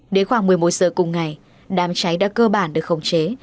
đến khoảng một mươi một giờ cùng ngày đám cháy đã cơ bản được khống chế